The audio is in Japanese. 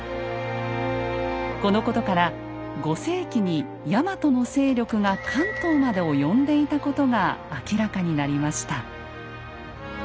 このことから５世紀にヤマトの勢力が関東まで及んでいたことが明らかになりました。